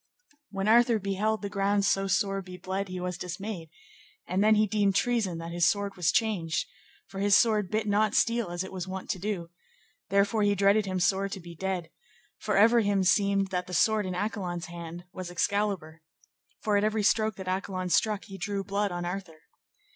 When Arthur beheld the ground so sore be bled he was dismayed, and then he deemed treason that his sword was changed; for his sword bit not steel as it was wont to do, therefore he dreaded him sore to be dead, for ever him seemed that the sword in Accolon's hand was Excalibur, for at every stroke that Accolon struck he drew blood on Arthur.